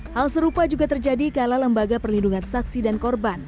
hal serupa juga terjadi kala lembaga perlindungan saksi dan korban